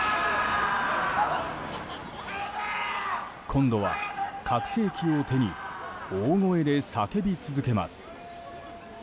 今度は拡声器を手に大声で叫び続けます。